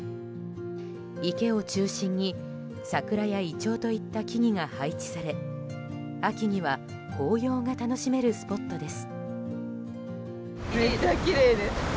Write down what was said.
池を中心に桜やイチョウといった木々が配置され秋には紅葉が楽しめるスポットです。